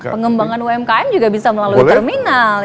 pengembangan umkm juga bisa melalui terminal